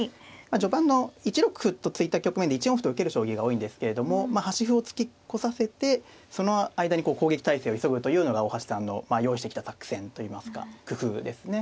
序盤の１六歩と突いた局面で１四歩と受ける将棋が多いんですけれどもまあ端歩を突き越させてその間に攻撃態勢を急ぐというのが大橋さんの用意してきた作戦といいますか工夫ですね。